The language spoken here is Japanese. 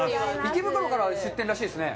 池袋から出店らしいですね？